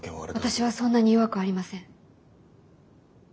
私はそんなに弱くありません。